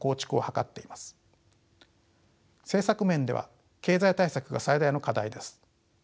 政策面では経済対策が最大の課題です。